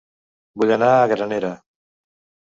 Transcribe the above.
Vull anar a Granera